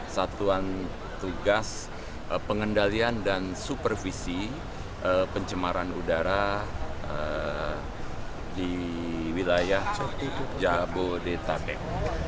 satuan tugas pengendalian dan supervisi pencemaran udara di wilayah jabodetabek